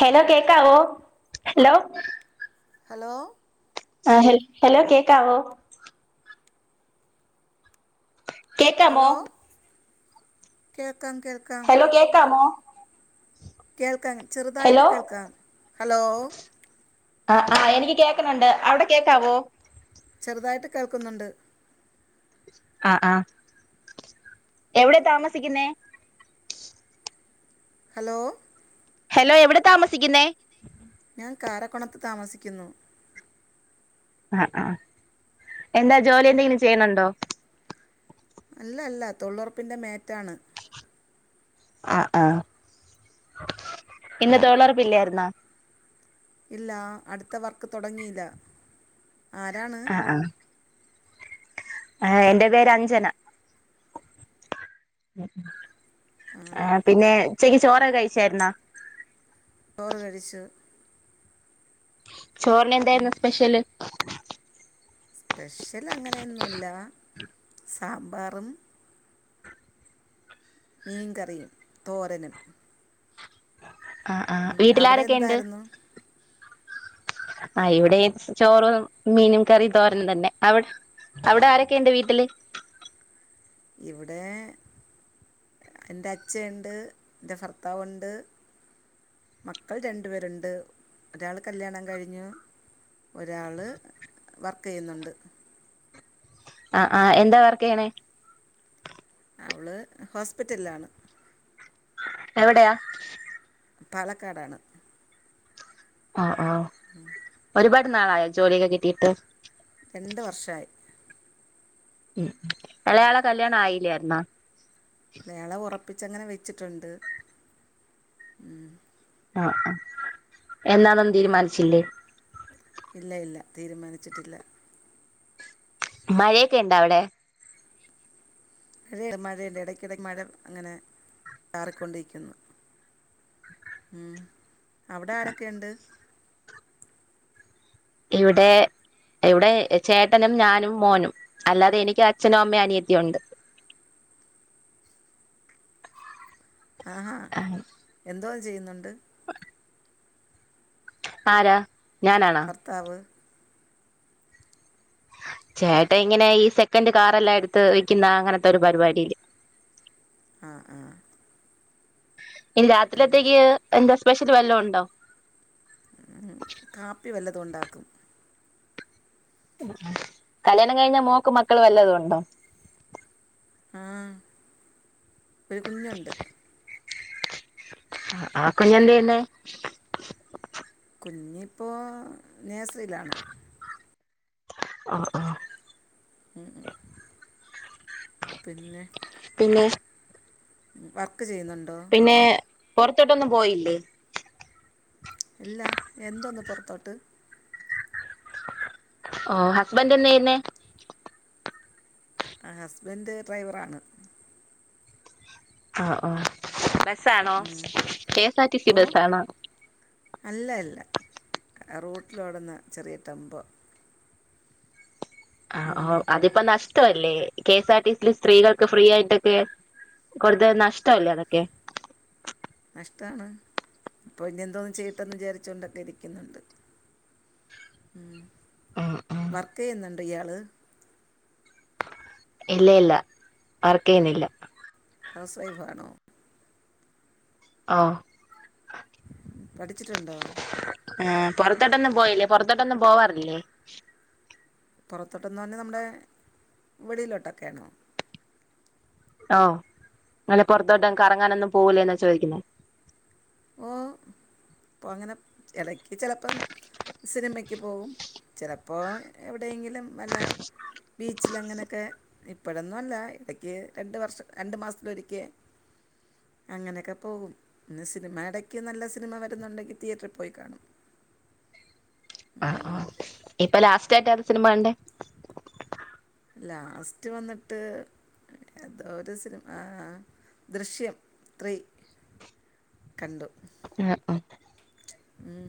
Hello കേക്കാവോ hello hello ആഹ് ഹൽ ഹലോ കേക്കാവോ കേക്കാമോ ഹലോ കേൾക്കാം കേൾക്കാം ഹലോ കേക്കാമോ കേൾക്കാം ചെറുതായിട്ട് ഹലോ കേൾക്കാം ഹലോ ആഹ് ആഹ് എനിക്ക് കേക്ക്ണ് ണ്ട് അവിടെ കേക്കാവോ ചെറുതായിട്ട് കേൾക്കുന്നുണ്ട് ആഹ് ആഹ് എവിടെ താമസിക്കുന്നെ ഹലോ ഹലോ എവിടെ താമസിക്കുന്നേ ഞാൻ കാരക്കുണത്ത് താമസിക്യുന്നു. ആഹ് ആ എന്താ ജോലി എന്തെങ്കിലും ചെയ്യണണ്ടോ? അല്ലല്ല തൊളൊറപ്പിന്റെ മേറ്റാണ്. ആഹ് ആഹ് ഇന്ന് തൊയ്ലുറപ്പില്ലായിരുന്നാ? ഇല്ല അട്ത്ത വർക്ക് തൊടങ്ങീല്ല ആരാണ്? ആ ആ ആ എന്റെ പേര് അഞ്ജന. പിന്നെ ഉച്ചക്ക് ചോറക്കെ കഴിച്ചായിരുന്നോ? ചോറ് കഴിച്ചു. ചോറിനെന്തായിരുന്നു പിന്നെ സ്പെഷ്യല്? സ്പെഷ്യൽ അങ്ങനെയൊന്നുല്ല സാമ്പാറും മീൻകറിയും തോരനും. ആഹ് ആ ഉം, അവിടെ വീട്ടിലാരെക്കെണ്ട്? എന്തായിരുന്നു ആ ഇവിടെ ചോറും മീനും കറിം തോരൻ തന്നെ അവ് അവ്ടെ ആരൊക്കെ ഇണ്ട് വീട്ടില്? ഇവിടെ എന്റെ അച്ഛയുണ്ട് എന്റെ ഭർത്താവുണ്ട്. മക്കൾ രണ്ടു പേരുണ്ട്. ഒരാള് കല്യാണം കഴിഞ്ഞു. ഒരാള് വർക്കെയ്യുന്നുണ്ട്. ആഹ് ആഹ് എന്താ വർക്കെ യ്യണേ? അവള് ഹോസ്പിറ്റലിലാണ് എവിടെയാ? പാലക്കാടാണ്. ആഹ ആ. ഒരുപാട് നാളായോ ജോലിയൊക്കെ കിട്ടിയിട്ട്? രണ്ട് വർഷായി. ഉം ഉം എളയാൾടെ കല്യാണം ആയില്ലായിരുന്നാ? വേള ഉറപ്പിച്ചങ്ങനെ വെച്ചിട്ണ്ട് മ്. ആ ആ എന്നാന്നൊന്നും തീരുമാനിച്ചില്ലേ? ഇല്ല ഇല്ല തീരുമാനിച്ചിട്ടില്ല. മയെക്കെ ഇണ്ടവിടെ? [unintelligible] മഴണ്ട് ഇടയ്ക്കിടയ്ക്ക് മഴ അങ്ങനെ ചാറിക്കൊണ്ടിരിക്കുന്നു. ഉം അവിടെ ആരൊക്കെ ഉണ്ട്? ഇവിടെ ഇവിടെ ചേട്ടനും ഞാനും മോനും. അല്ലാതെ എനിക്ക് അച്ഛനും അമ്മയും അനിയത്തിയും ഉണ്ട്. ആഹ ഹാ. ആഹ്. എന്തോ ചെയ്യ്ന്നുണ്ട്? [inaudible] ആരാ ഞാനാണോ? ത്താവ്. ചേട്ടൻ ഇങ്ങനെ ഈ സെക്കൻറ് കാറെല്ലാം എട്ത്ത് വെക്കിന്ന അങ്ങൻത്തൊരു പരിപാടീല്. ആഹ് ആഹ്. ഇനി രാത്രിലത്തേക്ക് എന്താ സ്പെഷ്യൽ വെല്ല ഉണ്ടോ? കാപ്പി വല്ലതും ഉണ്ടാക്കും. കല്യാണം കഴിഞ്ഞാ മോക്ക് മക്കൾ വല്ലതും ഉണ്ടോ? ആഹ് ഒരു കുഞ്ഞുണ്ട്. ആ കുഞ്ഞന്താ ചെയ്യ്ന്നേ? കുഞ്ഞിപ്പോ നേഴ്സറിയിലാണ്. ആഹ് ആഹ്. മ് മ് പിന്നെ? പിന്നെ. വർക്ക് ചെയ്യുന്നുണ്ടോ? പിന്നെ പൊറത്തോട്ടൊന്നും പോയില്ലേ? ഇല്ലാഹ് എന്തൊന്ന് പൊറത്തോട്ട്. ഓ ഹസ്ബന്റ് എന്നാ ചെയ്യുന്നെ. ആ ഹസ്ബന്റ് ഡ്രൈവറാണ്. ആഹ്, ആഹ് ബെസ്സാണോ കെസാർടിസി ഓ ബെസ്സാണോ? അല്ല അല്ല റോട്ടിലോടുന്ന ചെറിയ ടെമ്പോ. ആഹ്, ഓഹ് അതിപ്പം നഷ്ട അല്ലേ കെ സാ ആർ ടി സില് സ്ത്രീകൾക്ക് ഫ്രീ ആയിട്ടൊക്കെ. കൊട്ത്ത നഷ്ടല്ലേ അതൊക്കെ. നഷ്ടാണ് ഇപ്പോനി എന്തോന്നു ചെയ്ട്ടോന്ന് വിചാരിചോണ്ടൊക്കെ ഇരിക്കുന്നുണ്ട്. ഉം ഉം ഉം വർക്കെയ്യുന്നുണ്ടോ ഇയാള്. ഇല്ല, ഇല്ല വർക്കെയ്യുന്നില്ല. ഹൗസ് വൈഫാണോ? ആഹ്. പഠിച്ചിട്ടുണ്ടോ? ഏ പൊർത്തോട്ടൊന്നും പോയില്ലേ പൊറത്തോട്ടൊന്നും പോവാറില്ലേ? പൊർത്തോട്ടെന്നർഞ്ഞമ്മടെ വെളിയിലോട്ടൊക്കെണോ? ഓഹ് അങ്ങനെ പുറത്തോട്ടൊന്നും കറങ്ങാനൊന്നും പോകൂലേന്നാ ചോദിക്കുന്നെ. ഓഹ് പ്പൊ അങ്ങനെ എടക്ക് ചെലപ്പം. സിനിമയ്ക്ക് പോവും ചെലപ്പോ എവിടെയെങ്കിലും വല്ല ബീച്ചിലങ്ങനെക്കെ. ഇപ്പഴൊന്നും അല്ല എടക്ക് രണ്ട് വർഷം രണ്ട് മാസത്തിലൊരിക്കെ. അങ്ങനെക്കെ പോകും ന്ന് സിനിമ എടക്ക് നല്ല സിനിമ വരുന്നുണ്ടെങ്കി തിയേറ്ററി പോയി കാണും. ആഹ്, ആഹ് ഇപ്പൊ ലാസ്റ്റായിട്ട് എതാ സിനിമ കണ്ടെ. ലാസ്റ്റ് വന്നിട്ട്. ഏതൊരു സിനിമ ആഹ് ആഹ് ദൃശ്യം ത്രീ. കണ്ടു. എഹ്, ആഹ്. ഉം.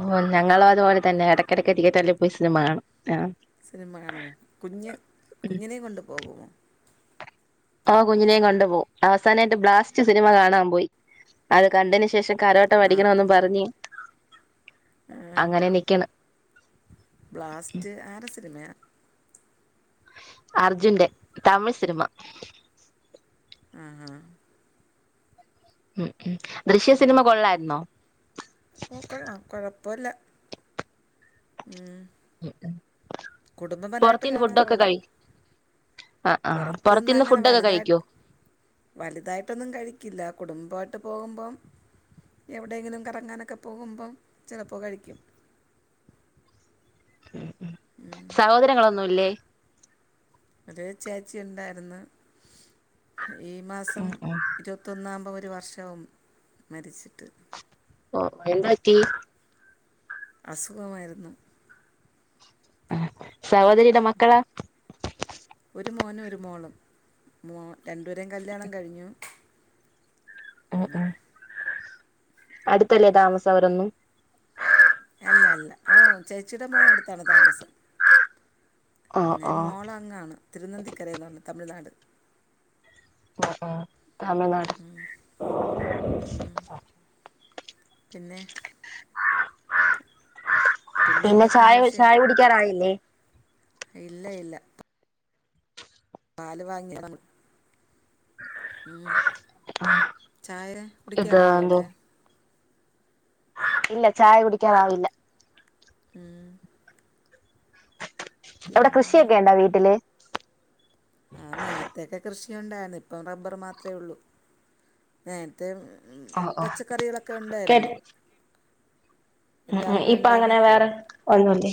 ഓഹ് ഞങ്ങളും അതുപോല തന്നെ ഇടയ്ക്കിടയ്ക്ക് തിയേറ്ററില് പോയി സിനിമ കാണും ആഹ്. സിനിമ കാണോ കുഞ്ഞ് കുഞ്ഞിനെ കൊണ്ട്പോകുമോ. ആഹ് കുഞ്ഞിനെയും കൊണ്ട് പോവും അവസാനായിട്ട് ബ്ലാസ്റ്റ് സിനിമ കാണാൻ പോയി അത് കണ്ടേന് ശേഷം. കരോട്ട ആ പടിക്കണെന്നും പറഞ്ഞ്. അഹ് അങ്ങനെ നിക്കണ് ബ്ലാസ്റ്റ് ആരെ സിനിമയാ? അർജുന്റെ തമിഴ് സിനിമ. ആഹ് ഹാ. ഉം, ഉം ദൃശ്യം സിനിമ കൊള്ളായിരുന്നോ? ഓഹ് കൊള്ളാം കൊഴപ്പല്ല. ഉം. ഉ, ഹും. കുടുംബപരായിട്ട് കാണാൻ കൊള്ളാം. ആ ആ പുറത്ത് പുറത്തിന്ന് നിന്നങ്ങനെ ഫുഡൊക്കെ വലുതായി കഴിക്കോ വലുതായിട്ടൊന്നും കഴിക്കില്ല കുടുംബായിട്ട് പോകുമ്പം. എവിടെയെങ്കിലും കറങ്ങാനൊക്കെ പോകുമ്പം ചെലപ്പോ കഴിക്കും. ഉം, ഉം സഹോദരങ്ങളൊന്നുല്ലേ? ഒരു ചേച്ചി ഇണ്ടായിരുന്ന് ഈ മാസം ഉം ഉം ഇരുപത്തി തൊന്നാവുമ്പോ ഒരു വർഷാവും മരിച്ചിട്ട്. ഓഹ് എന്താറ്റീ. അസുഖമായിരുന്നു. സഹോദരിയുടെ മക്കളാ? ഒരു മോനും, ഒരു മോളും മോ രണ്ടുപേരെയും കല്ല്യാണം കഴിഞ്ഞു. ഉം അങ്ങനെ ഉം. അടുത്തല്ലേ താമസം അവരൊന്നും. അല്ല ല്ല. ഓ ചേച്ചിയുടെ മോൻ അടുത്താണ് താമസം. ഓ എന്നന്നെ ഓ മോള അങ്ങാണ്. തിരുനന്തിക്കര എന്നാണ് തമിഴ്നാട്. ഉ ഉം തമിഴ്നാട് ഉം. [inaudible] പിന്നെ, പിന്നെ ചായ എന്തൊക്കെയുണ്ട് ചായ വിശേഷം കുടിക്കാറായില്ലേ? ഇല്ല ഇല്ല. പാല് വാങ്ങിയണം. ഉം. ചായര ഇത് കുടിക്കാറായോ എന്തോ അവിടെ? ഇല്ല ചായ കുടിക്കാറായില്ല. ഇമ് അവിടെ കൃഷിയൊക്കെ ഉണ്ടോ വീട്ടില്? ആ നേരത്തൊക്കെ കൃഷിയു ണ്ടായിരുന്നു ഇപ്പം റബ്ബർ മാത്രമേ ഉള്ളൂ നേൻ തേ ഏഹ് ഓ ഓ പച്ചക്കറികളൊക്കെ ഉണ്ടായിരുന്നു. ആഹ് എൻ്റെ ആ അമ്മ ഇപ്പ അങ്ങനെ ഉണ്ടായിരുന്നപ്പോഴേ വേറെ ഒന്നല്ലേ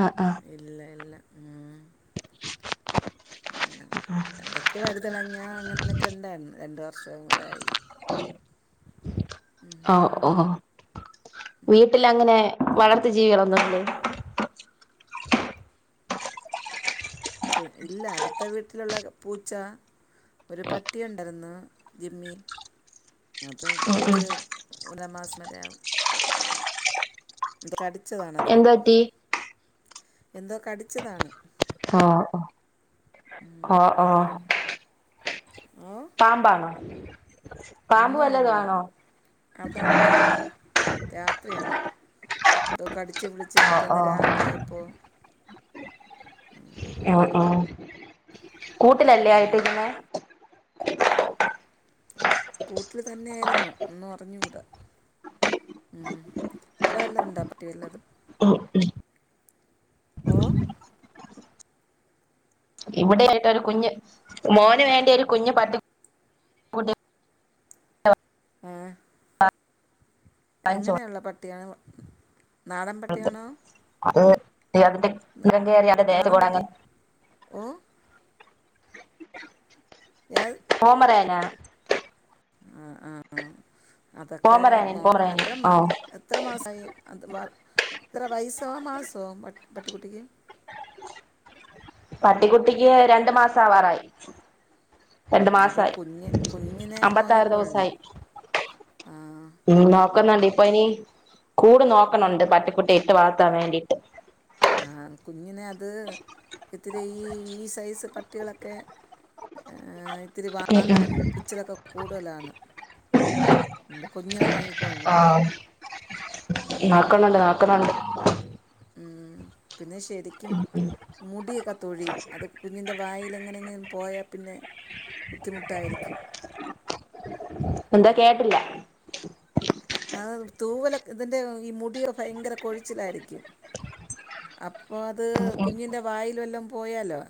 ആ ആ. ഇല്ല ഇല്ല ഉം. അങ്ങനെ ആഹ എന്തൊക്കെ വഴുതളങ്ങ അങ്ങനെയൊക്കെ ഉണ്ടായിരുന്നു, രണ്ടു വർഷം മുലായി. [inaudible] ഓ ഓഹോ. വീട്ടിൽ അങ്ങനെ വളർത്തി ജീവികളൊന്നുംല്ലേ? പി ഇല്ല അടുത്ത വീട്ടിലുള്ള പൂച്ച ഒരു പട്ടി ഉണ്ടായിരുന്നു, ജിമ്മി. അത് ഉം ഉം മറിച്ച് ഒന്നര മാസം വരെ [unintelligible] കടിച്ചതാണതിനെ. എന്ത് പറ്റി എന്തോ കടിച്ചതാണ്. ആഹ ആ ആഹ ആഹ. ഏ പാമ്പാണോ, പാമ്പ് ഒന്നും വല്ലതു അറിഞ്ഞൂടാ ആണോ? അതറിഞ്ഞൂടാ രാത്രിയാണ്. എന്തോ കടിച്ച് പിടിച്ച് ഓ പിറ്റേന്ന് ഓ രാവിലെ ആയപ്പോൾ. ആ ആ കൂട്ടിലല്ലേ ആയിട്ടിരുന്നേ? കൂട്ടിൽ തന്നെ ആയിരുന്നു ഒന്നു അറിഞ്ഞൂകൂട ഉം അട വല്ലതുണ്ടൊ പട്ടി വല്ലതും [unintelligible] ഓ [unintelligible] ഇവിടെയായിട്ടൊരു കുഞ്ഞ്.. മോന് വേണ്ടി ഒരു കുഞ്ഞ് പട്ടി.. കുട്ട് ആഹ വാങ്ങിച്ചു എങ്ങനെയുള്ള പട്ടിയാണ്? നാടൻ പട്ടിയാണോ? അത് അതിന്റെ [unintelligible] ദേ നാടൻ കൊട അങ്ങെ. പട്ടി ഓ എ [inaudible] ആഹ് ആ ആ അതൊക്കെ പോമറാനിയൻ നോക്കണം പോമറാനിയൻ എത്രം ആ എത്ത എത്ര മാസായി? അത് വ എത്ര വയസ്സോ, മാസോ പ പട്ടിക്കുട്ടിക്ക്? പട്ടിക്കുട്ടിക്ക് രണ്ടു മാസം ആവാറായി. രണ്ടു ഉം, അത് മാസായി കുഞ്ഞ് കുഞ്ഞിനെ അമ്പത്താറ് നോയിക്കൊള്ളണം ദിവസവായി ഉം നോക്കുന്നുണ്ടി പ്പൊ അയ്നി? കൂട് നോക്കണുണ്ട് പട്ടിക്കുട്ടി ഇട്ട് വൾത്താൻ വേണ്ടിയിട്ട്. ആഹാ കുഞ്ഞിനെയത് ഇത്തിരി ഈ ഈ സൈസ് പട്ടികളൊക്കെ എഹാ ഇത്തിരി ഉം വാന്തലും പിച്ചിലൊക്കെ കൂടുതലാണ് കുഞ്ഞിനെ നോക്കി ആഹ. നോക്കുണണ്ട് നാക്കുണണ്ട് മ് പിന്നെ ശെരിക്കും മുടിയൊക്കെ തൊഴിയും അത് കുഞ്ഞിൻ്റെ വായിലെങ്ങനെങ്ങിലും പോയാപിന്നെ ബുദ്ധിമുട്ടായിരിക്കും എന്തോ കേട്ടില്ല അഹ് തൂവലൊക്ക് ഇതിൻ്റെ ഈ മുടി ഫയങ്കര കൊഴിച്ചിലായിരിക്കും അപ്പൊ അത് കുഞ്ഞിന്റെ വായേല് വല്ലോം പോയാലോ?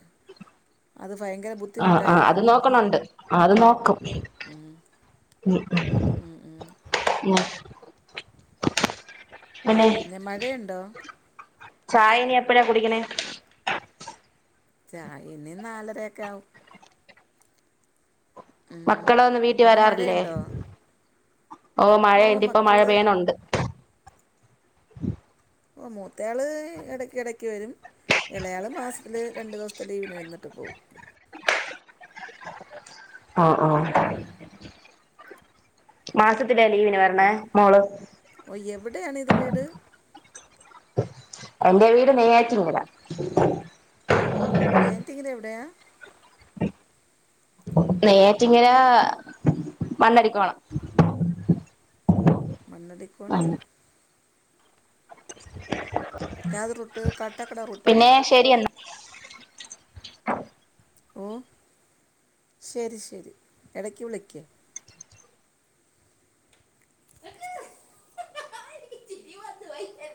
അത് ഫയങ്കര ബു ആഹ്.. ആഹ് അത് നോക്കണണ്ട് ആഹ് അത് നോക്കും ഉം ഉം. പിന്നെയ് പിന്നെ മഴയുണ്ടോ ചായെനി എപ്പഴാ കുടിക്കണേ? ചായെനി നാലരെക്കാവും ഉം. മക്കളൊന്നും വീട്ടി അവിടെ വരാറില്ലേ? മഴയുണ്ടോ ഓ മഴയ്ണ്ട് ഇപ്പൊ മഴപെയ്യിണൊണ്ട് ഓ മൂത്തയാള് എടക്കടക്ക് വെരും എളേയാള് മാസത്ത്ല് രണ്ട് ദിവസത്തെ ലീവിന് വന്ന്ട്ട് പോവും ഹോ... ഹോ... ഉം.. മാസത്തിലെ ലീവിന് വര്ണേ മോള്? ഓഹ് യെവ്ടാണിത് വീട്? എന്റെ വീട് നെയ്യാറ്റിൻകര നെയ്യാറ്റിൻകരയെവിടെയാ? നെയ്യാറ്റിൻകര മണ്ണടി പാളം മണ്ണടിക്കോണം ഏത്റൂട്ട് കാട്ടക്കട റൂട്ടാണോ? ശെരിയെന്ന ഓഹ് ശരി ശരി എടയ്ക്കു വിളിയ്ക്ക് എനിക്ക് ചിരി വന്നു വൈ